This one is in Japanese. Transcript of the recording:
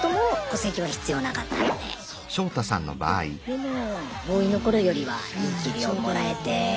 でもボーイの頃よりはいい給料もらえて。